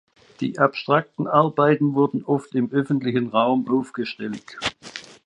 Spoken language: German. Die abstrakten Arbeiten wurden oft im öffentlichen Raum aufgestellt.